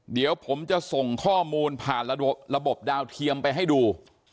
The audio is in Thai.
เดี๋ยวผมจะส่งข้อมูลผ่านระบบดาวเทียมไปให้ดู